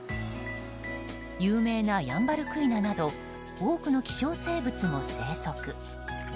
有名なヤンバルクイナなど多くの希少生物も生息。